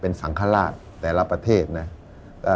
เป็นสังฆราชแต่ละประเทศนะ